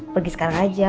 pergi sekarang aja